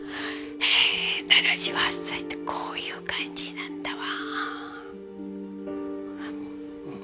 え７８歳ってこういう感じなんだわ。